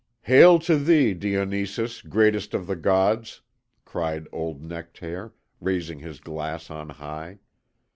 "Hail to thee, Dionysus, greatest of the Gods!" cried old Nectaire, raising his glass on high.